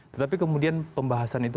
tetapi kemudian pembahasan itu